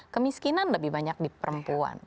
kemiskinan lebih banyak di perempuan